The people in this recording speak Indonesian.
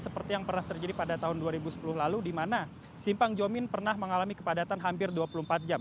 seperti yang pernah terjadi pada tahun dua ribu sepuluh lalu di mana simpang jomin pernah mengalami kepadatan hampir dua puluh empat jam